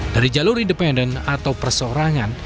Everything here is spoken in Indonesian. dari jalur independen atau perseorangan